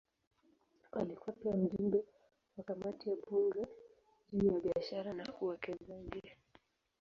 Alikuwa pia mjumbe wa kamati ya bunge juu ya biashara na uwekezaji.